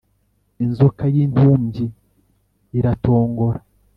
Inzoka y'intumbyi iratongora